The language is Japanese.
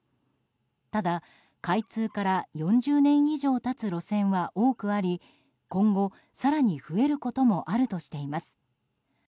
ただ、開通から４０年以上経つ路線は多くあり今後、更に増えることもあるとしています。